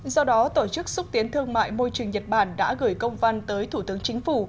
do đó tổ chức xúc tiến thương mại môi trường nhật bản đã gửi công văn tới thủ tướng chính phủ